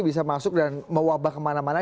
bisa masuk dan mewabah kemana mana